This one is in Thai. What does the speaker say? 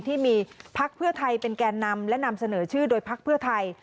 ที่มีพักเพื่อไทยเป็นแก่นำและนำเสนอชื่อโดยพักเพื่อไทย